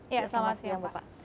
iya selamat siang pak